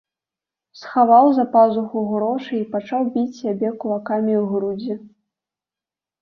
Схаваў за пазуху грошы і пачаў біць сябе кулакамі ў грудзі.